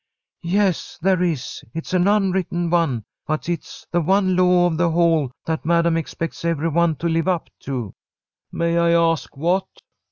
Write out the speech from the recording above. "Yes, there is. It's an unwritten one, but it's the one law of the Hall that Madam expects every one to live up to." "May I ask what?"